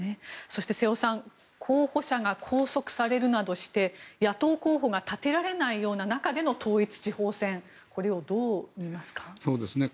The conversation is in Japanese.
そして、瀬尾さん候補者が拘束されるなどして野党候補が立てられないような中での統一地方選これをどう見ますか？